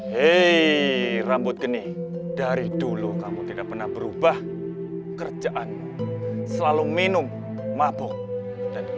hei rambut geni dari dulu kamu tidak pernah berubah kerjaanmu selalu minum mabuk dan